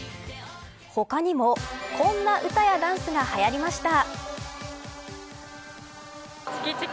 他にもこんな歌やダンスが流行りました。